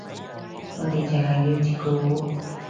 我哋就係要截佢糊